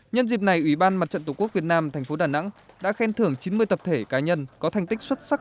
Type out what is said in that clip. nhân dịp này ủy ban mặt trận tổ quốc việt nam thành phố đà nẵng đã khen thưởng chín mươi tập thể cá nhân có thành tích xuất sắc